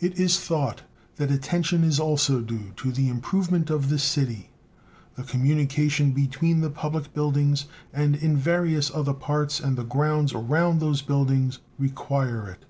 It is thought that attention is also due to the improvement of this city. The communication between the public buildings and in various other parts and the grounds around those buildings require it.